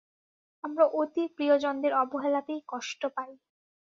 আমরা অতি প্রিয়জনদের অবহেলাতেই কষ্ট পাই।